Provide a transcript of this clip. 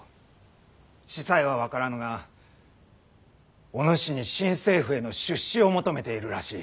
仔細は分からぬがお主に新政府への出仕を求めているらしい。